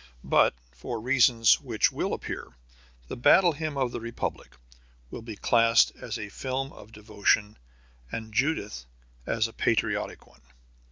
But for reasons which will appear, The Battle Hymn of the Republic will be classed as a film of devotion and Judith as a patriotic one.